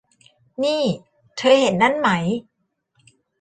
นี่ เธอเห็นนั่นไหม